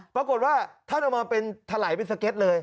ปรากฏว่าท่านเอามาเป็นถลายเป็นสเก็ตเลย